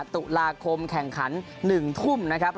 ตุลาคมแข่งขัน๑ทุ่มนะครับ